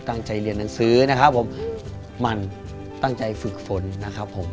ตั้งใจเรียนหนังสือนะครับผมมันตั้งใจฝึกฝนนะครับผม